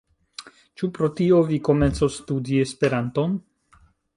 Ĉu pro tio, vi komencos studi Esperanton?